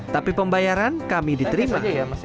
tapi pembayaran kami diterima